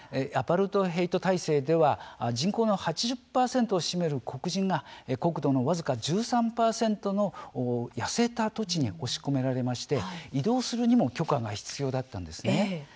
アパルトヘイト体制では人口の８０％を占める黒人が国土の僅か１３％の痩せた土地に押し込められまして移動するにも許可が必要だったんです。